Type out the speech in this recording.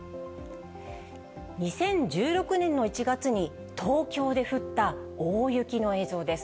２０１６年の１月に、東京で降った大雪の映像です。